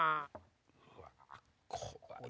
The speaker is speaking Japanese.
うわ怖い。